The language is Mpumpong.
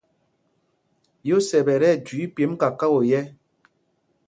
Yósɛp ɛ́ tí ɛjüii pyêmb kakao yɛ̄.